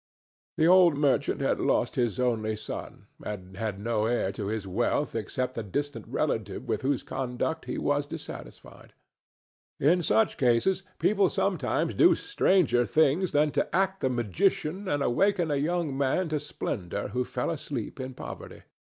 The old merchant had lost his only son, and had no heir to his wealth except a distant relative with whose conduct he was dissatisfied. In such cases people sometimes do stranger things than to act the magician and awaken a young man to splendor who fell asleep in poverty.